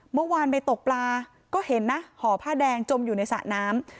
เมื่อวานไปตกปลาก็เห็นนะห่อผ้าแดงจมอยู่ในสระน้ำ